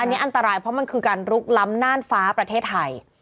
อันนี้อันตรายเพราะมันคือการลุกล้ำน่านฟ้าประเทศไทย